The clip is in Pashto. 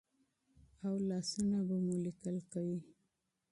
او لاسونه به مو لیکل کوي.